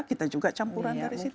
kita juga campuran dari sini